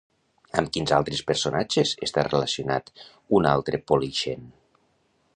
Amb quins altres personatges està relacionat un altre Polixen?